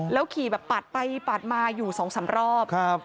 แล้วขี่ปาดไปปาดมาอยู่๒๓รอบ